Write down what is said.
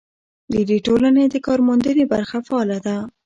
د دې ټولنې د کارموندنې برخه فعاله ده.